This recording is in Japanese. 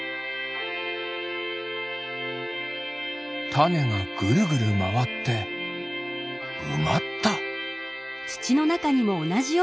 タネがぐるぐるまわってうまった。